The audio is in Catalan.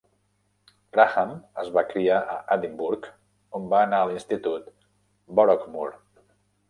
Grahame es va criar a Edimburg, on va anar a l'institut de Boroughmuir.